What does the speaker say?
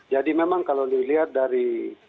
jadi memang kalau dilihat dari